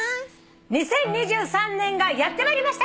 ２０２３年がやって参りました。